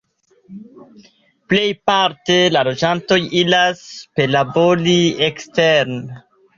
Plejparte la loĝantoj iras perlabori eksteren.